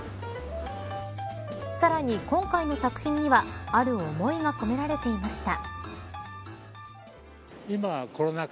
さらに、今回の作品にはある思いが込められていました。